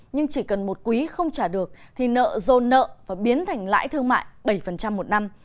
nhưng chỉ cần một quý không trả được thì nợ dồn nợ và biến thành lãi thương mại bảy một năm